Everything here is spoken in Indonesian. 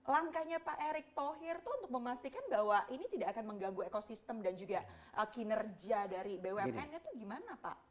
langkahnya pak erick thohir itu untuk memastikan bahwa ini tidak akan mengganggu ekosistem dan juga kinerja dari bumn itu gimana pak